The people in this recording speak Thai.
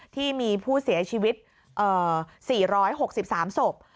ที่มีผู้เสียชีวิต๔๖๓ศพ